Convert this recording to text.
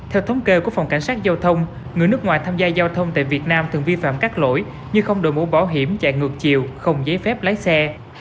theo thống kê của phòng cảnh sát giao thông người nước ngoài tham gia giao thông tại việt nam thường vi phạm các lỗi như không đổi mũ bảo hiểm chạy ngược chiều không giấy phép lái xe